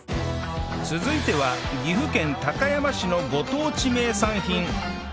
続いては岐阜県高山市のご当地名産品